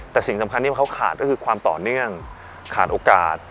แต่สิ่งสำคัญที่เขาขาดก็คือความต่อเนื่องขาดโอกาส